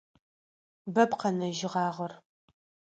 Бэп къэнэжьыгъагъэр.